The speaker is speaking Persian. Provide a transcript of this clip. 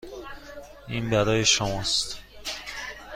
این برای شماست.